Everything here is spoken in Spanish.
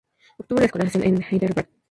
Obtuvo la escolarización en Hyderabad.